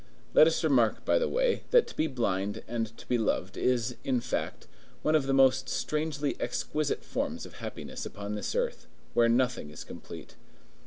Let us remark by the way, that to be blind and to be loved, is, in fact, one of the most strangely exquisite forms of happiness upon this earth, where nothing is complete.